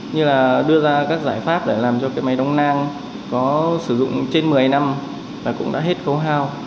như là đưa ra các giải pháp để làm cho cái máy đống nang có sử dụng trên một mươi năm là cũng đã hết khấu hao